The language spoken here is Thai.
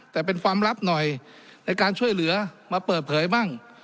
แต่เป็นความลับหน่อยในการช่วยเหลือมาเปิดเผยบ้าง